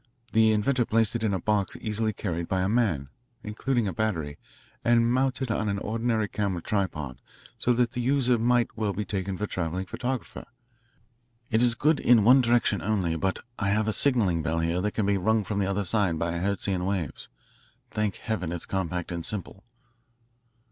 The inventor placed it in a box easily carried by a man, including a battery, and mounted on an ordinary camera tripod so that the user might well be taken for a travelling photographer. It is good in one direction only, but I have a signalling bell here that can be rung from the other end by Hertzian waves. Thank Heaven, it's compact and simple.